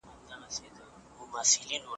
تولستوی د خپلو اتلانو له لارې مینه را زده کوي.